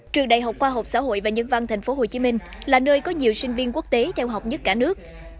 trường đại học khoa học xã hội và nhân văn thành phố hồ chí minh là nơi có nhiều sinh viên quốc tế trao học nhất cả nước